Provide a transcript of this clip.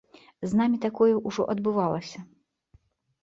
З намі такое ўжо адбывалася.